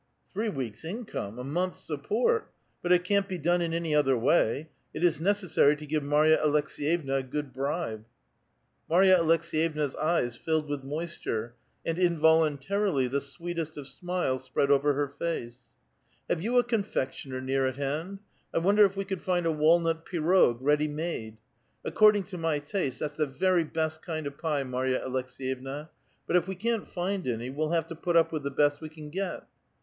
("Three weeks' income, a month's support! But it can't be done in any other way. It is necessary to give Marya Aleks6yevna a good bribe.") Marya Aleks^yevna's eyes filled with moisture, and invol untarily the sweetest of smiles spread over her face. " Have you a confectioner near at hand? I wonder if we could find a walnut pirog ready made. According to my taste that's the very best kind of pie, Marya Aleks^yevna ; but if we can't find any, we'll have to put up with the best we can get."